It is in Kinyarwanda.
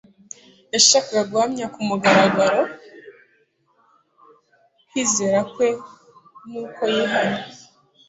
Yashakaga guhamya ku mugaragaro kwizera kwe, n'uko yihannye.